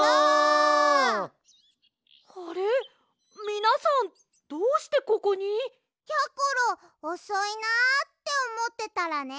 みなさんどうしてここに？やころおそいなあっておもってたらね